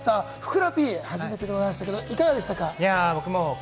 ふくらＰ、初めてでございましたが、いかがでしたか？